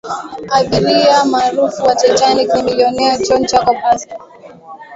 abiria maarufu wa titanic ni milionea john jacob astor